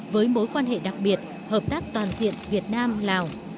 với mối quan hệ đặc biệt hợp tác toàn diện việt nam lào